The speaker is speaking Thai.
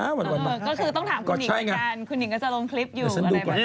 ก็คือต้องถามคุณหญิงกันกันคุณหญิงก็จะลงคลิปอยู่